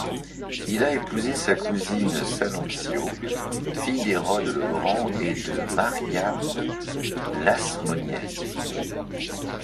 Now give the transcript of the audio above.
Il a épousé sa cousine Salampsio, fille d'Hérode le Grand et de Mariamne l'Hasmonéenne.